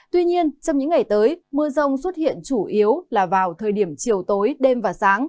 tuy nhiên trong những ngày tới mưa rông xuất hiện chủ yếu là vào thời điểm chiều tối đêm và sáng